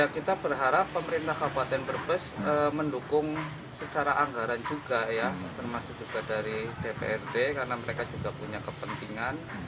kita berharap pemerintah kabupaten brebes mendukung secara anggaran juga ya termasuk juga dari dprd karena mereka juga punya kepentingan